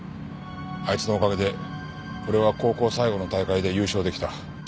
あいつのおかげで俺は高校最後の大会で優勝出来た。